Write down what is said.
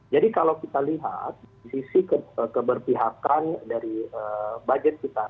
jadi kalau kita lihat di sisi keberpihakan dari budget kita